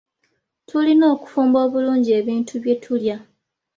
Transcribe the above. Tulina okufumba obulungi ebintu bye tulya.